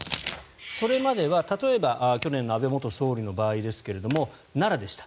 それまでは、例えば去年の安倍元総理の場合ですが奈良でした。